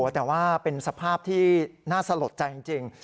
แต่ว่าเป็นสภาพที่น่าสลดใจจริง